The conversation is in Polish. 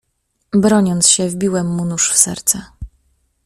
"Broniąc się, wbiłem mu nóż w serce."